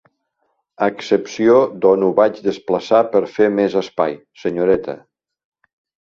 A excepció d'on ho vaig desplaçar per fer més espai, senyoreta.